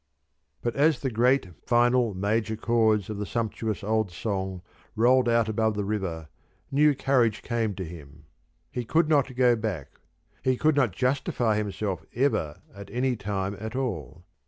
But as the great final major chords of the sumptuous old song rolled out above the river new courage came to him. He could not go back. He could not justify himself ever at any time at all.